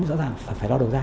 thì rõ ràng phải lo đồ ra